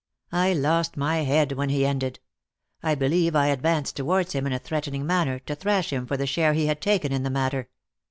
I lost my head when he ended; I believe I advanced towards him in a threatening manner, to thrash him for the share he had taken in the matter.